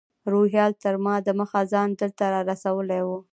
روهیال تر ما دمخه ځان دلته رارسولی و.